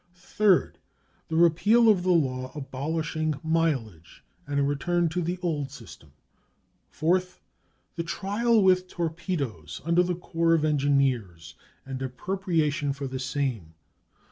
Third. The repeal of the law abolishing mileage, and a return to the old system. Fourth. The trial with torpedoes under the Corps of Engineers, and appropriation for the same.